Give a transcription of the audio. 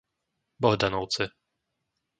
Bohdanovce